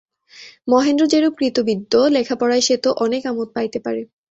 মহেন্দ্র যেরূপ কৃতবিদ্য, লেখাপড়ায় সে তো অনেক আমোদ পাইতে পারে।